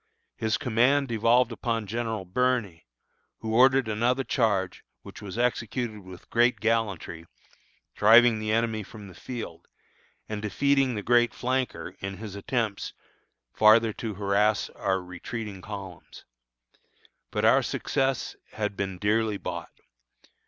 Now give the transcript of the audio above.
His command devolved upon General Birney, who ordered another charge, which was executed with great gallantry, driving the enemy from the field, and defeating the great flanker in his attempts farther to harass our retreating columns. But our success had been dearly bought.